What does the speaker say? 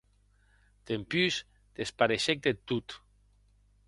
Dempús despareishec deth tot.